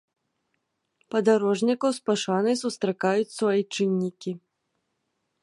Падарожнікаў з пашанай сустракаюць суайчыннікі.